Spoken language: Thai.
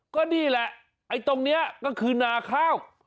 ก็นี่แหละไอ้ตรงนี้ก็คือนาข้าว